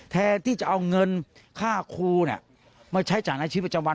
แทนที่จะเอาเงินค่าครูเนี่ยมาใช้จากนักชีพประจำวัน